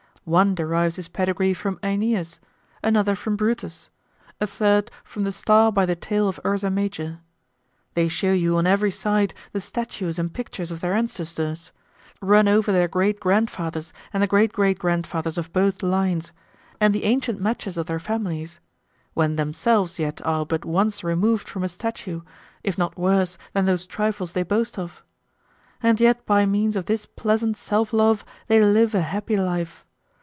One derives his pedigree from Aeneas, another from Brutus, a third from the star by the tail of Ursa Major. They show you on every side the statues and pictures of their ancestors; run over their great grandfathers and the great great grandfathers of both lines, and the ancient matches of their families, when themselves yet are but once removed from a statue, if not worse than those trifles they boast of. And yet by means of this pleasant self love they live a happy life.